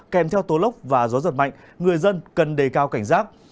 kèm theo tố lốc và gió giật mạnh người dân cần đề cao cảnh giác